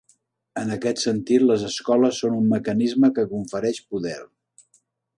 En aquest sentit, les escoles són un mecanisme que confereix poder.